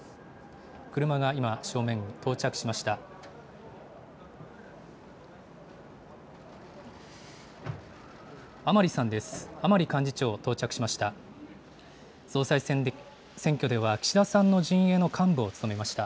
車が今、正面に到着しました。